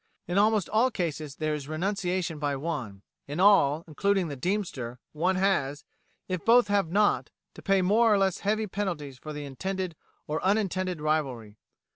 In almost all cases there is renunciation by one; in all, including 'The Deemster,' one has, if both have not, to pay more or less heavy penalties for the intended or unintended rivalry.